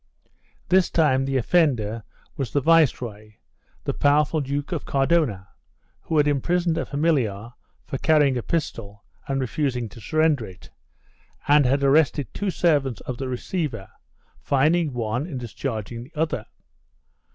This time the offender was the viceroy, the powerful Duke of Cardona, who had imprisoned a familiar for carrying a pistol and refusing to surrender it, and had arrested two servants of the receiver, fining one and discharging the other.